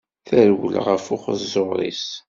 Terwel ɣef uxeẓẓur-is.